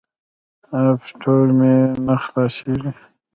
اپ سټور مې نه خلاصیږي.